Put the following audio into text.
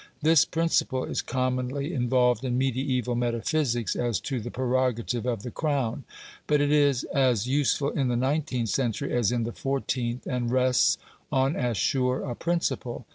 This principle is commonly involved in mediaeval metaphysics as to the prerogative of the Crown, but it is as useful in the nineteenth century as in the fourteenth, and rests on as sure a principle.